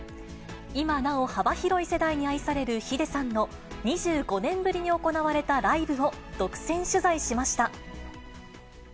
今なお、幅広い世代に愛されるｈｉｄｅさんの２５年ぶりに行われたライブを独占取材しました。